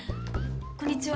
こんにちは。